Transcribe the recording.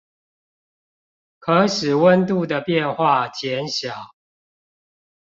可使溫度的變化減小